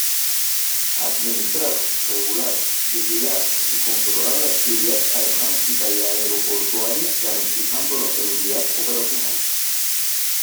Administrar, Regular, Vigilar y Controlar la actividad aeronáutica y aeroportuaria garantizando la seguridad operacional.